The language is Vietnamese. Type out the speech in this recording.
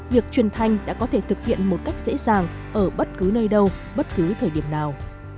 việc truyền thanh đã có thể thực hiện một cách dễ dàng ở bất cứ nơi đâu bất cứ thời điểm nào